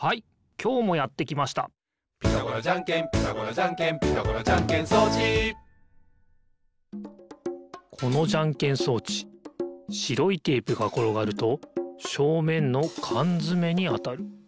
きょうもやってきました「ピタゴラじゃんけんピタゴラじゃんけん」「ピタゴラじゃんけん装置」このじゃんけん装置しろいテープがころがるとしょうめんのかんづめにあたる。